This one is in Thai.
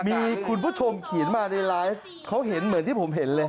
มีคุณผู้ชมเขียนมาในไลฟ์เขาเห็นเหมือนที่ผมเห็นเลย